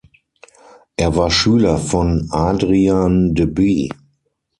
Er war Schüler von Adrian de Bie.